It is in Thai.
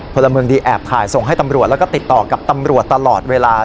พลเมืองดีแอบถ่ายส่งให้ตำรวจแล้วก็ติดต่อกับตำรวจตลอดเวลา